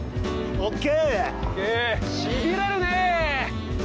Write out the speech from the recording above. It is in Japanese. ＯＫ。